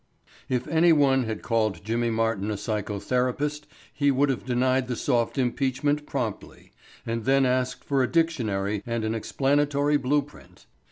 If anyone had called Jimmy Martin a "psychotherapist" he would have denied the soft impeachment promptly, and then asked for a dictionary and an explanatory blueprint.